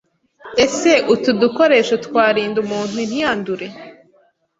Ese utu dukoresho twarinda umuntu ntiyandure